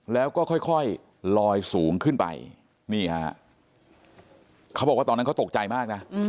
แล้วก็ค่อยลอยสูงขึ้นไปนี่ฮะเขาบอกว่าตอนนั้นเขาตกใจมากนะ